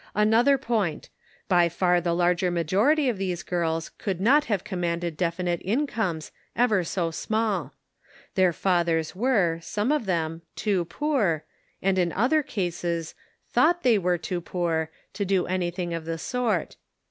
Another point : by far the larger majority of these girls could not have commanded definite incomes, ever so small. Their fathers were, some of them, too poor, and in other eases, thought they were too poor to do anything of the sort.